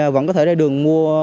vẫn có thể ra đường mua